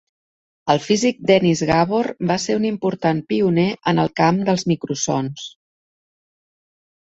El físic Dennis Gabor va ser un important pioner en el camp dels microsons.